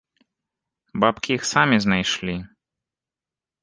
Бабкі іх самі знайшлі!